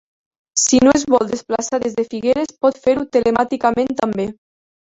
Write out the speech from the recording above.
Si no es vol desplaçar des de Figueres, pot fer-ho telemàticament també.